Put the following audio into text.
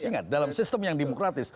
ingat dalam sistem yang demokratis